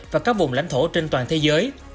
và các vùng lãnh thổ trên toàn thế giới